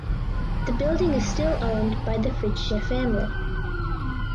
The building is still owned by the Fritzsche family.